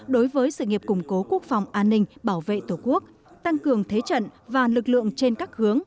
đối với sự nghiệp củng cố quốc phòng an ninh bảo vệ tổ quốc tăng cường thế trận và lực lượng trên các hướng